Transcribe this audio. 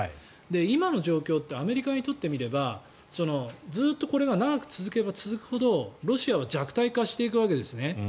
今の状況ってアメリカにとってみればずっとこれが長く続けば続くほどロシアは弱体化していくわけです。